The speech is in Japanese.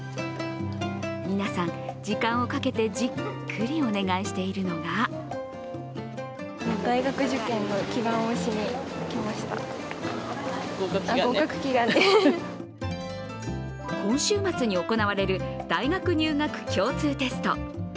皆さん、時間をかけてじっくりお願いしているのが今週末に行われる大学入学共通テスト。